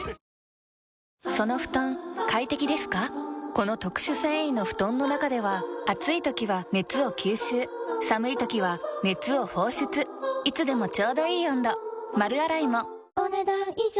この特殊繊維の布団の中では暑い時は熱を吸収寒い時は熱を放出いつでもちょうどいい温度丸洗いもお、ねだん以上。